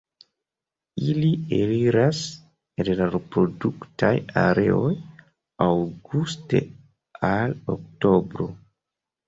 Ili eliras el la reproduktaj areoj aŭguste al oktobro.